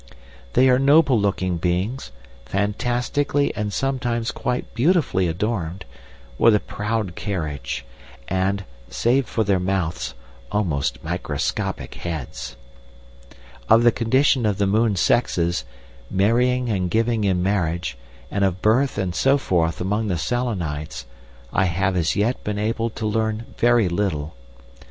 They are noble looking beings, fantastically and sometimes quite beautifully adorned, with a proud carriage, and, save for their mouths, almost microscopic heads. "Of the condition of the moon sexes, marrying and giving in marriage, and of birth and so forth among the Selenites, I have as yet been able to learn very little.